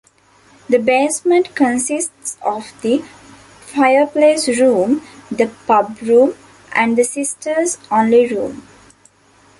The basement consists of the fireplace room, the pub room, and the sisters-only room.